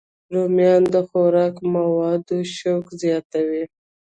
رومیان د خوراکي موادو شوق زیاتوي